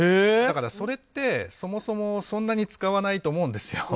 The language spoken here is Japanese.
だから、それってそもそもそんなに使わないと思うんです。